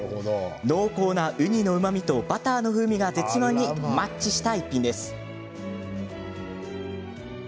濃厚なウニのうまみとバターの風味が絶妙にマッチした一品です。